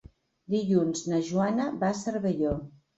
Dilluns na Joana va a Cervelló.